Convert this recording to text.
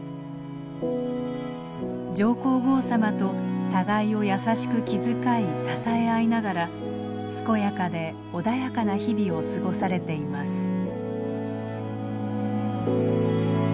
上皇后さまと互いを優しく気遣い支え合いながら健やかで穏やかな日々を過ごされています。